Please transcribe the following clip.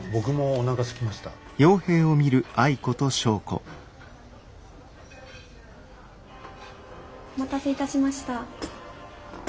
お待たせいたしました。